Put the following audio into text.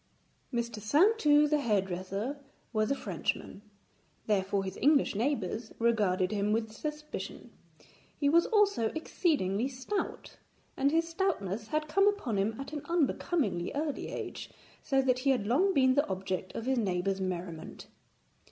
Mr. Saintou the hairdresser was a Frenchman, therefore his English neighbours regarded him with suspicion. He was also exceedingly stout, and his stoutness had come upon him at an unbecomingly early age, so that he had long been the object of his neighbours' merriment.